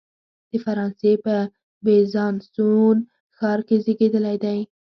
د فرانسې په بیزانسوون ښار کې زیږېدلی دی.